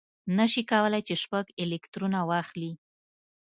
نه شي کولای چې شپږ الکترونه واخلي.